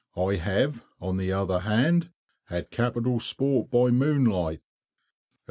I have, on the other hand, had capital sport by moonlight.